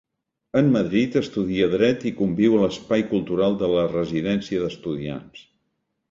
En Madrid estudia dret i conviu a l'espai cultural de la Residència d'Estudiants.